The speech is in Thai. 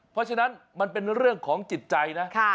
เพราะฉะนั้นมันเป็นเรื่องของจิตใจนะ